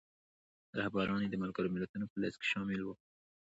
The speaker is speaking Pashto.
رهبران یې د ملګرو ملتونو په لیست کې شامل وو.